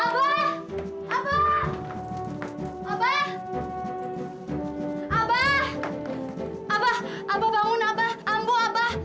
abah abah abah